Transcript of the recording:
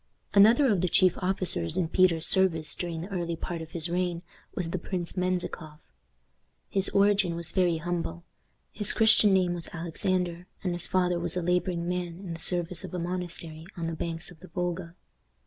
Another of the chief officers in Peter's service during the early part of his reign was the Prince Menzikoff. His origin was very humble. His Christian name was Alexander, and his father was a laboring man in the service of a monastery on the banks of the Volga.